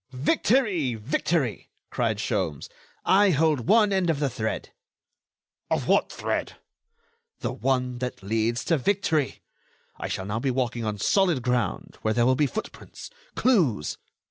"Victory! Victory!" cried Sholmes. "I hold one end of the thread." "Of what thread?" "The one that leads to victory. I shall now be walking on solid ground, where there will be footprints, clues...."